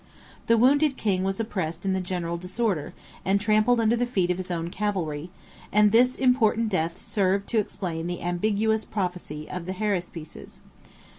The wounded king was oppressed in the general disorder, and trampled under the feet of his own cavalry; and this important death served to explain the ambiguous prophecy of the haruspices.